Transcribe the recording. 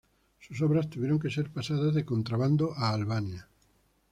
Sus obras tuvieron que ser pasadas de contrabando a Albania.